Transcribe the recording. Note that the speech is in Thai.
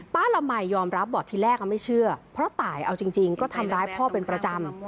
ละมัยยอมรับบอกที่แรกไม่เชื่อเพราะตายเอาจริงก็ทำร้ายพ่อเป็นประจำ